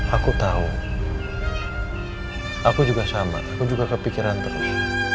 aku tahu aku juga sama aku juga kepikiran terus